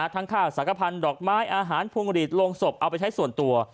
ทั้งข้างสาขพันธ์หลอกไม้อาหารพุงหลีดลงศพเอาไปใช้ส่วนตัว